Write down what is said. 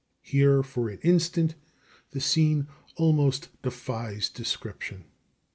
Here, for an instant, the scene almost defies description.